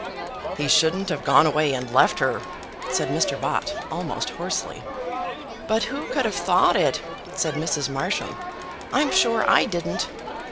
"He shouldn't have gone away and left her," said Mr. Bott, almost hoarsely. "But who could have thought it?" said Mrs. Marsham. "I'm sure I didn't."